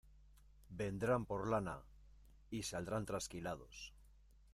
Vendrán por lana y saldrán trasquilados.